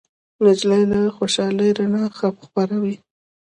نجلۍ د خوشالۍ رڼا خپروي.